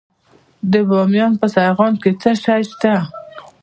د بامیان په سیغان کې څه شی شته؟